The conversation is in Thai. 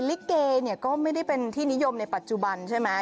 ลิเกเนี่ยก็ไม่ได้เป็นที่นิยมในปัจจุบันใช่ไหม